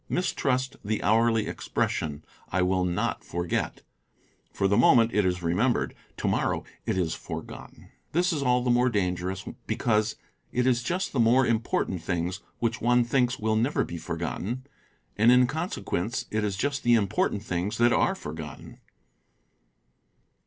Mistrust the hourly expression, "T will not forget''; for the moment, it is remembered ; tomorrow, it is forgotten. This is all the more dangerous because it is just the more important things which one thinks will never be forgotten, and in con sequence it is just the important things that are forgotten.